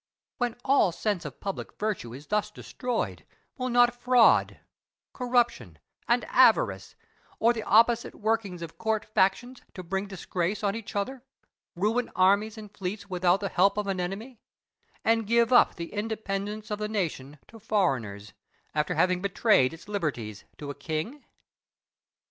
When all sense of public virtue is thus destroyed, will not fraud, corruption, and avarice, or the opposite workings of court factions to bring disgrace on each other, ruin armies and fleets without the help of an enemy, and give up the independence of the nation to foreigners, after having betrayed its liberties to a king?